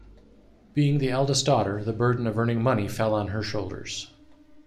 Being the eldest daughter, the burden of earning money fell on her shoulders.